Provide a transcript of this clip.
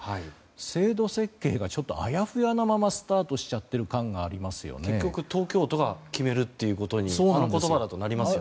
制度設計があやふやなままスタートしちゃっている感が結局、東京都が決めるということにあの言葉だとなりますよね。